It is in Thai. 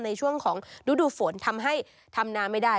ในช่วงของฤดูฝนทำให้ทำน้ำไม่ได้